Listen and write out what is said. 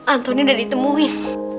antoni udah ditemuin